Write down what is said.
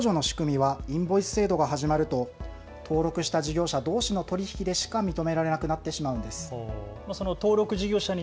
ただこの控除の仕組みはインボイス制度が始まると登録した事業者どうしの取り引きでしか認められなくなってしまうんです。